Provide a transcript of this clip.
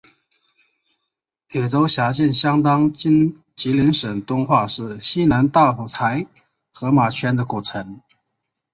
铁州辖境相当今吉林省敦化市西南大蒲柴河马圈子古城。